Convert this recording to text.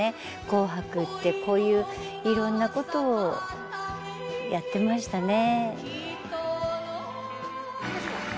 「紅白」ってこういういろんなことをやってましたね。